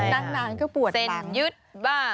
นั่งนานก็ปวดหลังเซ็นยึดบ้าง